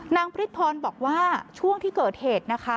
พฤษพรบอกว่าช่วงที่เกิดเหตุนะคะ